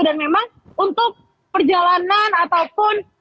dan memang untuk perjalanan ataupun